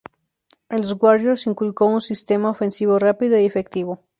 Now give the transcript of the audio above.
En los Warriors inculcó un sistema ofensivo rápido y efectivo.